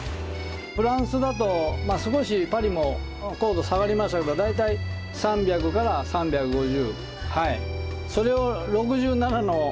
フランスだと少しパリも硬度下がりますけど大体３００３５０。